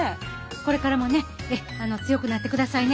これからもね強くなってくださいね。